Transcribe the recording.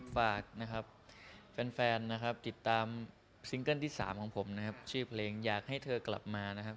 ฝากนะครับแฟนนะครับติดตามซิงเกิ้ลที่๓ของผมนะครับชื่อเพลงอยากให้เธอกลับมานะครับ